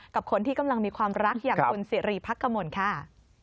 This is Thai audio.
กับคนที่กำลังมีความรักอย่างคุณสิริพักกมลค่ะ